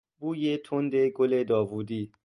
بوی تند گل داوودی